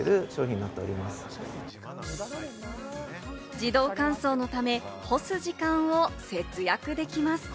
自動乾燥のため、干す時間を節約できます。